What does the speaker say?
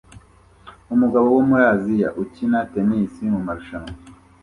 Umugabo wo muri Aziya ukina tennis mumarushanwa